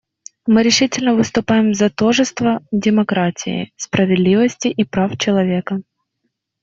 Мы решительно выступаем за тожество демократии, справедливости и прав человека.